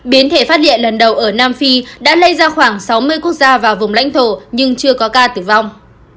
biến thể phát điện lần đầu ở nam phi đã lây ra khoảng sáu mươi quốc gia và vùng lãnh thổ nhưng chưa có ca tử vong